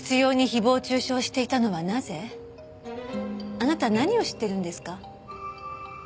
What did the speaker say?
あなた何を知ってるんですか？